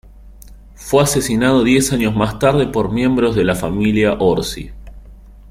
Fue asesinado diez años más tarde por miembros de la familia Orsi.